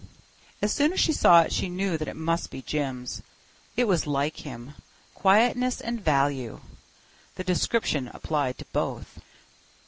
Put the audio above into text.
As soon as she saw it she knew that it must be Jim's. It was like him. Quietness and value—the description applied to both.